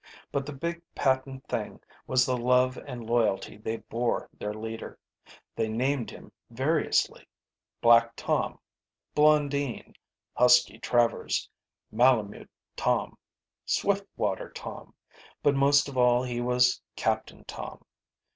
But the big patent thing was the love and loyalty they bore their leader. They named him variously? Black Tom, Blondine, Husky Travers, Malemute Tom, Swiftwater Tom but most of all he was Captain Tom.